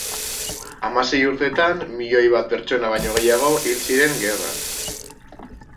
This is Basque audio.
Hamasei urteetan milioi bat pertsona baino gehiago hil ziren gerran.